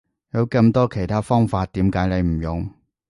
有咁多其他方法點解你唔用？